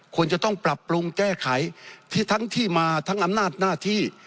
ควรจะต้องปรับปรุงแก้ไขที่ทั้งที่มาทั้งอำนาจหน้าที่